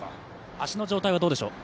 足の状態はどうでしょう。